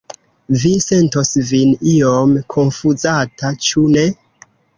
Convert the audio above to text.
Vi sentos vin iom konfuzata, ĉu ne?